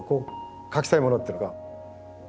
描きたいものっていうのが。